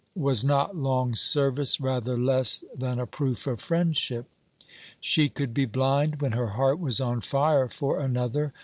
was not long service rather less than a proof of friendship? She could be blind when her heart was on fire for another.